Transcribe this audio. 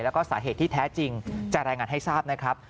แล้วก็สาเหตุที่แท้จริงจะรายงานให้ทราบนะครับ